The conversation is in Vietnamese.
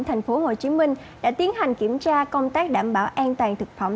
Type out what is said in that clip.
thành phố hồ chí minh đã tiến hành kiểm tra công tác đảm bảo an toàn thực phẩm